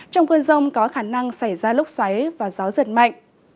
trong cơn rông có khả năng xảy ra lúc xoáy và gió giật mạnh